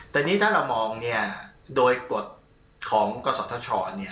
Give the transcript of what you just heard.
แต่นี้ถ้าเรามองโดยกฎของกฎศัตริย์ชร